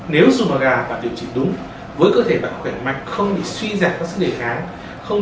nếu xùi màu gà bạn điều trị đúng với cơ thể bạn có khỏe mạnh không bị suy giảm các sức đề kháng không